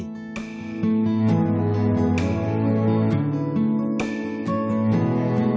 สวัสดีครับ